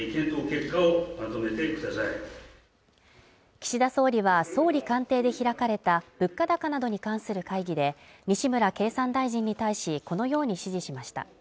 岸田総理は総理官邸で開かれた物価高などに関する会議で、西村経産大臣に対し、このように指示しました。